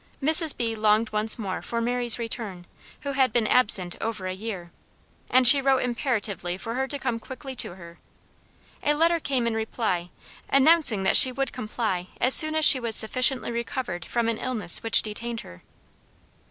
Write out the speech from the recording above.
Mrs. B. longed once more for Mary's return, who had been absent over a year; and she wrote imperatively for her to come quickly to her. A letter came in reply, announcing that she would comply as soon as she was sufficiently recovered from an illness which detained her.